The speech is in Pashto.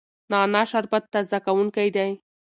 نعنا شربت تازه کوونکی دی.